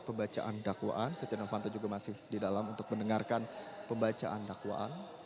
pembacaan dakwaan setia novanto juga masih di dalam untuk mendengarkan pembacaan dakwaan